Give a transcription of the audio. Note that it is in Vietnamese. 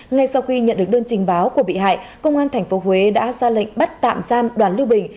ngay sau khi nhận được đơn trình báo của bị hại công an tp huế đã ra lệnh bắt tạm giam đoàn lưu bình